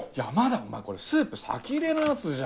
お前これスープ先入れのやつじゃん。